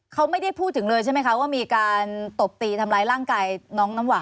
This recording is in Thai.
เขาไม่ได้พูดถึงเลยใช่ไหมคะว่ามีการตบตีทำร้ายร่างกายน้องน้ำหวาน